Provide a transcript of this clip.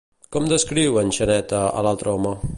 Com descriu en Xaneta a l'altre home?